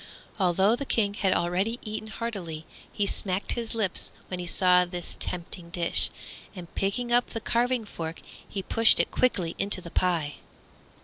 Although the King had already eaten heartily, he smacked his lips when he saw this tempting dish, and picking up the carving fork he pushed it quickly into the pie.